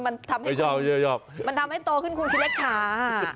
มันทำให้คุณมันทำให้โตขึ้นคุณคิดแรกช้า